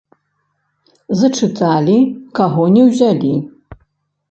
Зачыталі, каго не ўзялі.